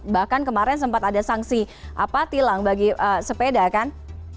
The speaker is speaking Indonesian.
bahkan kemarin sempat ada sanksi tilang bagi sepeda kan